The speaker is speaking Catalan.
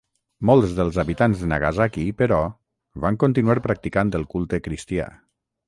Molts dels habitants de Nagasaki, però, van continuar practicant el culte cristià.